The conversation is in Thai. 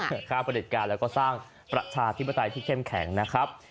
การเห็นค่าประเด็จการและก็สร้างประชาธิบดัตรายที่เข้มแข็งนะครับ